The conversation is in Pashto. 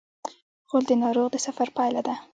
غول د ناروغ د سفر پایله ده.